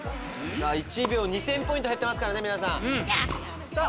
１秒２０００ポイント減ってますからね皆さん。